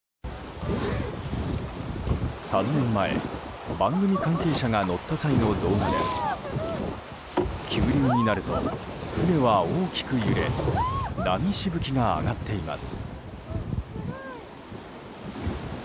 ３年前、番組関係者が乗った際の動画で急流になると船は大きく揺れ波しぶきが上がっています。